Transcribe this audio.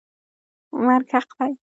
مرګ حق دی.